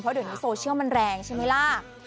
เพราะเดี๋ยวนี้โซเชียลมันแรงใช่ไหมล่ะ